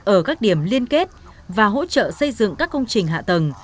ở các điểm liên kết và hỗ trợ xây dựng các công trình hạ tầng